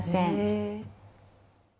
え。